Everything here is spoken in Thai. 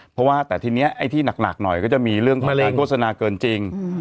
เพราะว่าแต่ทีนี้ไอ้ที่หนักหน่อยก็จะมีเรื่องการโฆษณาเกินจริง